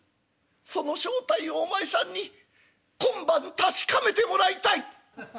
その正体をお前さんに今晩確かめてもらいたい！」。